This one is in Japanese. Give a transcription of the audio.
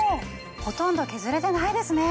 ほとんど削れてないですね。